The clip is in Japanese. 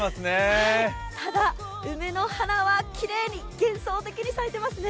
ただ、梅の花はきれいに幻想的に映えてますね。